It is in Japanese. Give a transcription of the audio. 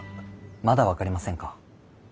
まだ分かりませんか？